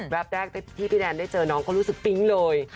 แรกที่พี่แดนได้เจอน้องก็รู้สึกปิ๊งเลย